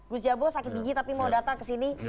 gus jabo sakit gigi tapi mau datang kesini